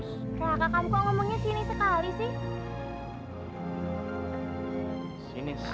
raka kamu kok ngomongnya sinis sekali sih